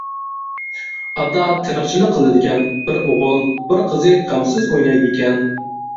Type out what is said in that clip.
ئاتا تېرىقچىلىق قىلىدىكەن، بىر ئوغۇل، بىر قىزى غەمسىز ئوينايدىكەن.